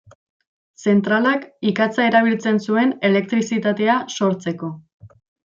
Zentralak ikatza erabiltzen zuen elektrizitatea sortzeko.